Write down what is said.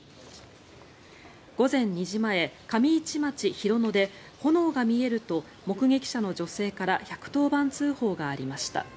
午前２時前、上市町広野で炎が見えると目撃者の女性から１１０番通報がありました。